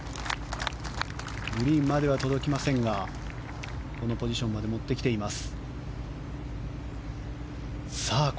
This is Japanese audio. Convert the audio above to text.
グリーンまでは届きませんがこのポジションまで持ってきています。